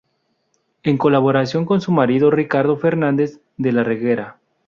En colaboración con su marido Ricardo Fernández de la Reguera